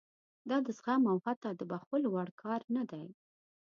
دا د زغم او حتی د بښلو وړ کار نه دی.